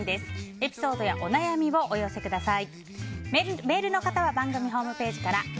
エピソードやお悩みをお寄せください。